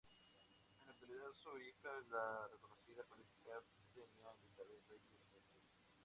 En la actualidad su hija es la reconocida política paceña Elizabeth Reyes Limpias.